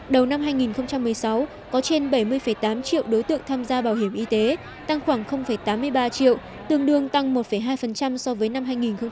đầu năm hai nghìn một mươi sáu có trên bảy mươi tám triệu đối tượng tham gia bảo hiểm y tế tăng khoảng tám mươi ba triệu tương đương tăng một hai so với năm hai nghìn một mươi bảy